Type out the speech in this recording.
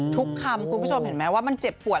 ทุกคำคุณผู้ชมเห็นไหมว่ามันเจ็บปวด